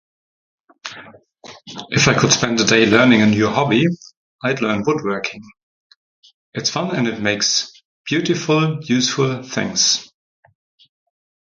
If I could spend a day learning a new hobby, I'd learn woodworking. It's fun and it makes beautiful, useful things.